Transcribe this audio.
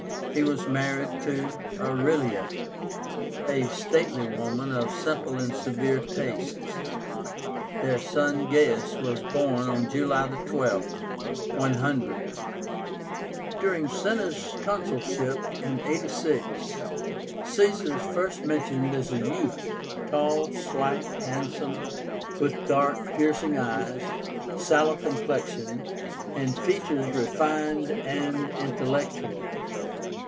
He was married to Aurelia, a stately woman of simple and severe tastes. Their son Gaius was born on July 12th, 100. During Cinna's consulship (86), Caesar is first mentioned as a youth, tall, slight, handsome, with dark, piercing eyes, sallow complexion, and features refined and intellectual.